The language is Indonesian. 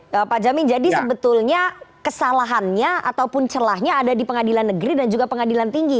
ya pak jamin jadi sebetulnya kesalahannya ataupun celahnya ada di pengadilan negeri dan juga pengadilan tinggi